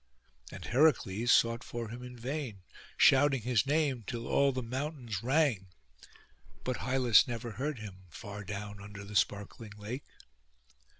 And Heracles sought for him in vain, shouting his name till all the mountains rang; but Hylas never heard him, far down under the sparkling lake.